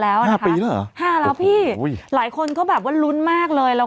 แล้วห้าปีแล้วเหรอห้าแล้วพี่หลายคนก็แบบว่าลุ้นมากเลยแล้ว